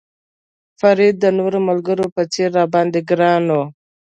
فرید د نورو ملګرو په څېر را باندې ګران و.